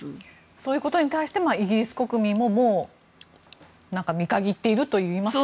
そういうことに対してイギリス国民も見限っているといいますか。